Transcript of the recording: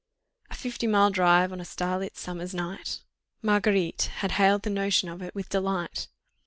A fifty mile drive on a starlit summer's night! Marguerite had hailed the notion of it with delight.